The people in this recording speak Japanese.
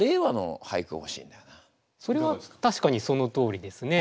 それはたしかにそのとおりですね。